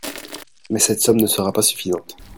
Mais cette somme ne sera pas suffisante.